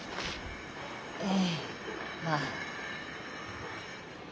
ええまあ。